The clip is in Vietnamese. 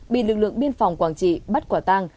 bị lực lượng biên phòng quảng trị bắt quả tang